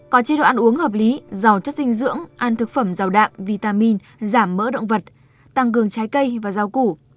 có chế độ ăn uống hợp lý giàu chất dinh dưỡng ăn thực phẩm giàu đạm vitamin giảm mỡ động vật tăng cường trái cây và rau củ